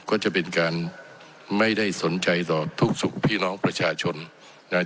ก็จะเป็นการไม่ได้สนใจต่อทุกสุขพี่น้องประชาชนนะครับ